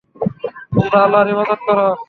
তোমরা আল্লাহর ইবাদত কর।